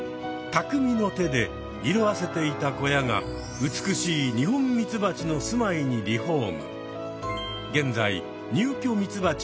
たくみの手で色あせていた小屋が美しいニホンミツバチのすまいにリフォーム。